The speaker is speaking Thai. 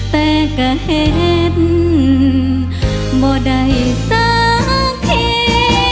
แต่ก็เห็นบ่ได้สักที